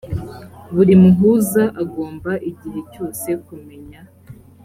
buri muhuza agomba igihe cyose kumenya